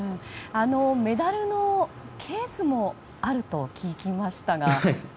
メダルのケースもあると聞きましたが。